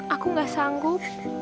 aku gak sanggup